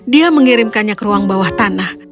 dia mengirimkannya ke ruang bawah tanah